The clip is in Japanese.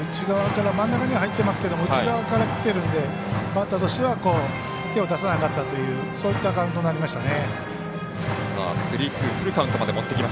真ん中にはいってますけど内側からきてるんでバッターとしては手を出さなかったというそういったカウントになりましたね。